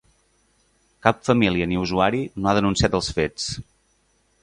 Cap família ni usuari no ha denunciat els fets.